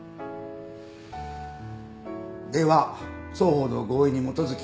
では双方の合意に基づき。